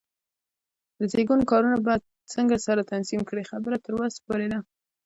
د زېږون کارونه به څنګه سره تنظیم کړې؟ خبره تر وسه پورې ده.